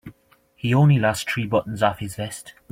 He only lost three buttons off his vest.